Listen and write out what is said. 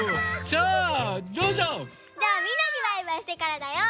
じゃあみんなにバイバイしてからだよ。